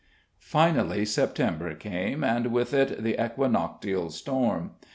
Finally September came, and with it the equinoctial storm.